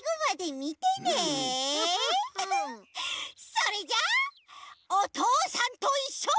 それじゃあ「おとうさんといっしょ」。